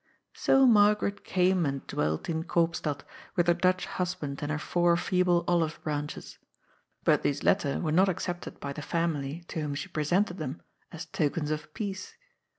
So Margaret came and dwelt in Koopstad, with her Dutch husband and her four feeble olive branches. But these latter were not accepted by the family, to whom she presented them as tokens of peace.